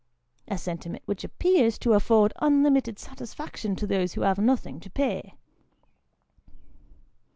" a sentiment which appears to afford unlimited satisfaction to those who have nothing to pay.